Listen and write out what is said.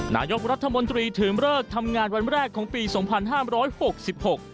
นายกรัฐมนตรีถือเลิกทำงานวันแรกของปีสองพันห้ามร้อยหกสิบหก